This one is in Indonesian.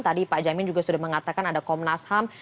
tadi pak jamin juga sudah mengatakan ada komnas ham